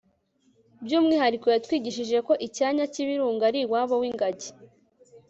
by'umwihariko yatwigishije ko icyanya cy'ibirunga ari iwabo w'ingagi